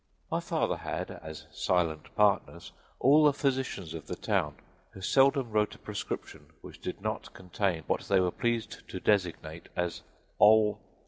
My father had, as silent partners, all the physicians of the town, who seldom wrote a prescription which did not contain what they were pleased to designate as _Ol.